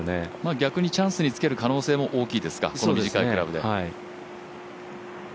逆にチャンスにつける可能性も大きいですか、この短いクラブで。